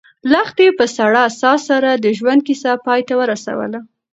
لښتې په سړه ساه سره د ژوند کیسه پای ته ورسوله.